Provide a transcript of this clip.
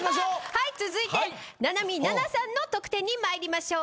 はい続いてななみななさんの得点に参りましょう。